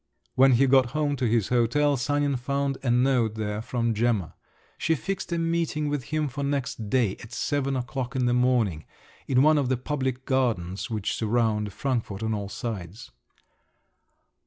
When he got home to his hotel, Sanin found a note there from Gemma. She fixed a meeting with him for next day, at seven o'clock in the morning, in one of the public gardens which surround Frankfort on all sides.